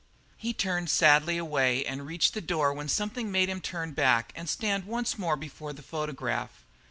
He turned away sadly and had reached the door when something made him turn back and stand once more before the photograph.